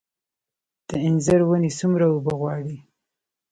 د انځر ونې څومره اوبه غواړي؟